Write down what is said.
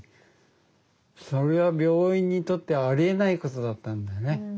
それは病院にとってありえないことだったんだよね。